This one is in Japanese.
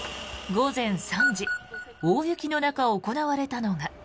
午前３時大雪の中、行われたのが。